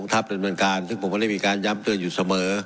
ทรัพย์เป็นเหมือนการซึ่งผมก็ไม่มีการย้ำเตือนอยู่เสมอ